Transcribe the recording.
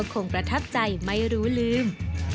ประทับใจไม่รู้ลืม